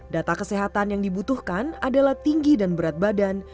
data kesehatan yang dibutuhkan adalah tinggi dan berat badan